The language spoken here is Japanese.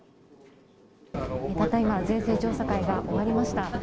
たった今、税制調査会が終わりました。